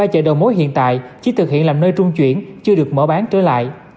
hai chợ đầu mối hiện tại chỉ thực hiện làm nơi trung chuyển chưa được mở bán trở lại